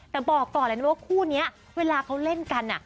แต่บอกก่อนคู่นี้เวลาเล่นกัน